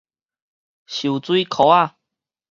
泅水箍仔